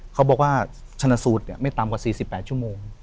เค้าบอกว่าชันสูตรเนี่ยไม่ตามกว่า๔๘ชั่วโมง